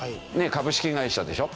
株式会社でしょ。